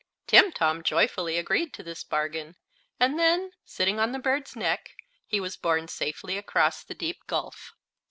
Timtom joyfully agreed to this bargain, and then, sitting on the bird's neck, he was borne safely across the deep gulf.